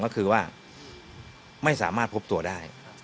ก็คือว่าไม่สามารถพบตัวได้